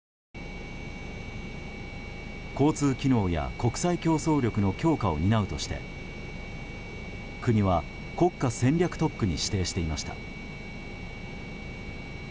交通機能や国際競争力の強化を担うとして国は国家戦略特区に指定していました。